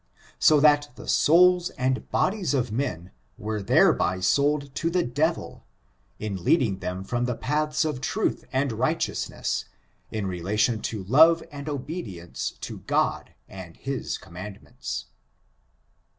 so that the souls and bodies of men were thereby sold to the devil, in leading them from the paths of truth and righteousness, in relation to love and obedience to God and his commandments.